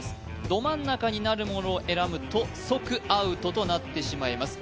ど真ん中になるものを選ぶと即アウトとなってしまいます